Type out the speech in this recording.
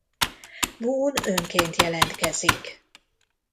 Boone önként jelentkezik.